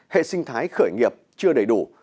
hệ sinh thái khởi nghiệp chưa đầy đủ